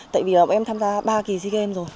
tại vì là bọn em tham gia ba kỷ sea games rồi